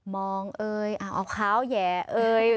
มองเอ่ยเอาขาวแหย่เอ่ย